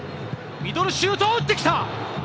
ミドルシュートを打ってきた！